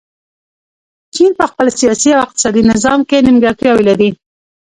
چین په خپل سیاسي او اقتصادي نظام کې نیمګړتیاوې لري.